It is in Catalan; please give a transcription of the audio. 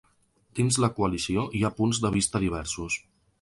Dins la coalició hi ha punts de vista diversos.